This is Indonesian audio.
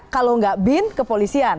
kalau tidak bin kepolisian